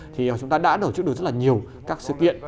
thì chúng ta đã tổ chức được rất là nhiều các sự kiện